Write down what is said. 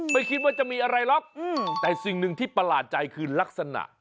ไม่คิดว่าจะมีอะไรหรอกแต่สิ่งหนึ่งที่ประหลาดใจคือลักษณะ